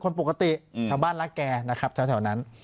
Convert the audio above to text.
คนปกติชาวบ้านรักแกนะครับแถวนั้น